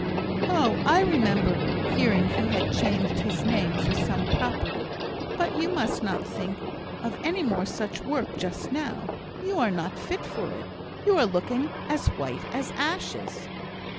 "Oh! I remember hearing he had changed his name for some property. But you must not think of any more such work just now. You are not fit for it. You are looking as white as ashes."